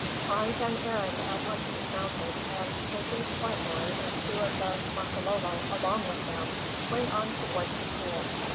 Hans and Arend at once dismounted, and, taking Swartboy and two of the Makololo along with them, went on towards the pool.